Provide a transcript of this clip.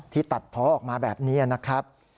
ตัดเพาะออกมาแบบนี้นะครับ